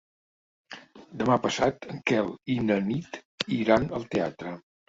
Demà passat en Quel i na Nit iran al teatre.